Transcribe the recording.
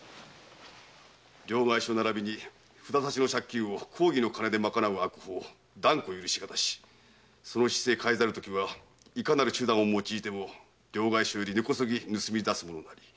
「両替商ならびに札差の借金を公儀の金で賄う悪法断固許し難し」「その姿勢変えざるときはいかなる手段を用いても両替商より根こそぎ盗み出すものなり。